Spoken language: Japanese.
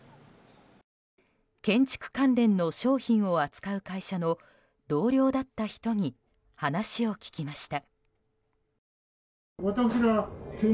建築関連の商品を扱う会社の同僚だった人に話を聞きました。